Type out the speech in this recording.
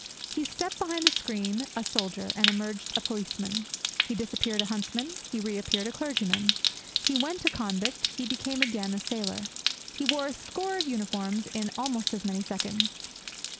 He stepped behind the screen a soldier, and emerged a policeman. He disappeared a huntsman, he reappeared a clergyman. He went a convict, he came again a sailor. He wore a score of uniforms in almost as many seconds.